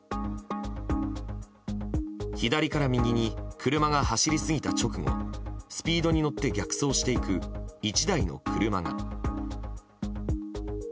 左から右に車が走り過ぎた直後スピードに乗って逆走していく１台の車が。